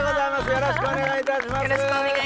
よろしくお願いします。